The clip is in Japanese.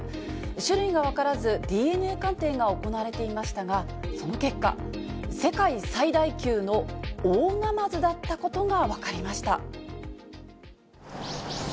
種類が分からず、ＤＮＡ鑑定が行われていましたが、その結果、世界最大級のオオナマズだったことが分かりました。